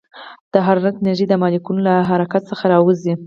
د حرارت انرژي د مالیکولونو له حرکت څخه راځي.